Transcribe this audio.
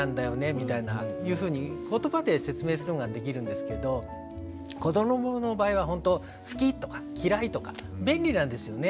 みたいないうふうに言葉で説明することができるんですけど子どもの場合はほんと「好き」とか「嫌い」とか便利なんですよね。